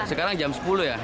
sekarang jam sepuluh ya